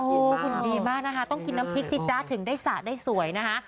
โอ้โหหุ่นดีมากนะคะต้องกินน้ำพริกสิจ๊ะถึงได้สระได้สวยนะคะ